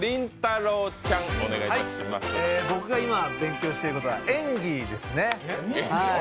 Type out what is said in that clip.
僕が今、勉強していることは演技ですね。